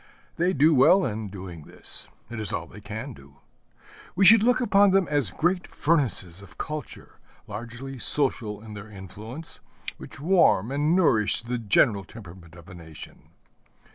They do well in doing this: it is all they can do. We should look upon them as great furnaces of culture, largely social in their influence, which warm and nourish the general temperament of a nation.